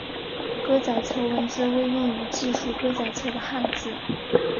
歌仔册文字为用于记述歌仔册的汉字。